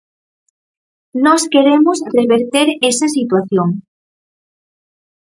Nós queremos reverter esa situación.